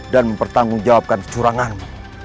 dan mempertanggung jawabkan curanganmu